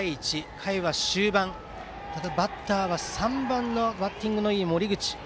回は終盤、バッターは３番、バッティングのいい森口。